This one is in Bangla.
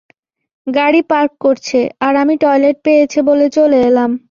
গাড়ি পার্ক করছে, আর আমি টয়লেট পেয়েছে বলে চলে এলাম।